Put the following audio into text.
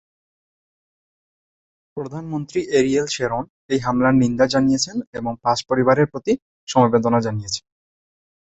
প্রধানমন্ত্রী Ariel Sharon এই হামলার নিন্দা জানিয়েছেন এবং পাস পরিবারের প্রতি সমবেদনা জানিয়েছেন।